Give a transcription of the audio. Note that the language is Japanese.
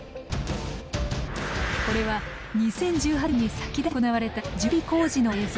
これは２０１８年に先立って行われた準備工事の映像。